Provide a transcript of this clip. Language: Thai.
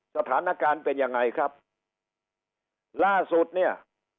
สถานการณ์เป็นยังไงครับล่าสุดเนี่ย